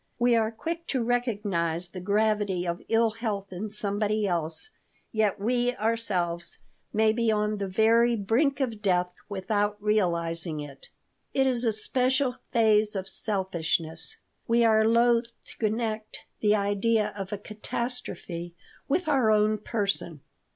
We are quick to recognize the gravity of ill health in somebody else, yet we ourselves may be on the very brink of death without realizing it. It is a special phase of selfishness. We are loath to connect the idea of a catastrophe with our own person.